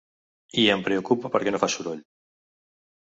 I em preocupa perquè no fa soroll.